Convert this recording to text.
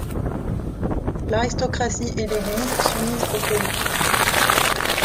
L'aristocratie et l’Église s’unissent contre lui.